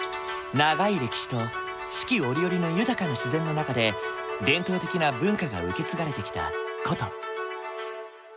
長い歴史と四季折々の豊かな自然の中で伝統的な文化が受け継がれてきた古都。